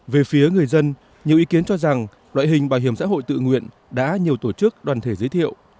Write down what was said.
về phía người dân nhiều ý kiến cho rằng loại hình bảo hiểm xã hội tự nguyện đã nhiều tổ chức đoàn thể giới thiệu